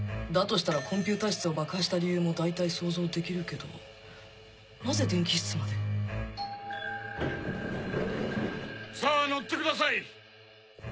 したらコンピューター室を爆破した理由も大体想像できるけどなぜ電気室までさぁ乗ってください！